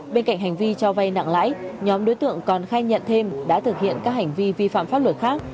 bên cạnh hành vi cho vay nặng lãi nhóm đối tượng còn khai nhận thêm đã thực hiện các hành vi vi phạm pháp luật khác